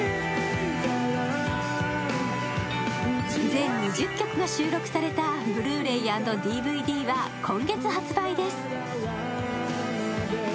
全２０曲が収録されたブルーレイ＆ＤＶＤは今月発売です。